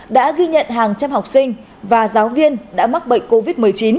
đã ghi nhận hàng trăm học sinh và giáo viên đã mắc bệnh covid một mươi chín